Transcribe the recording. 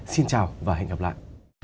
xin chào và hẹn gặp lại